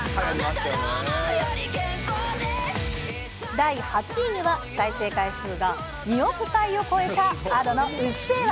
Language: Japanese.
第８位には、再生回数が２億回を超えたＡｄｏのうっせぇわ。